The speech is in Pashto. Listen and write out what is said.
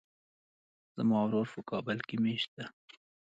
زما ورور په کابل کې ميشت ده.